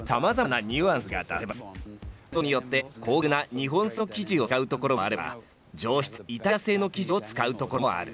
デニム工場によって高級な日本製の生地を使うところもあれば上質なイタリア製の生地を使うところもある。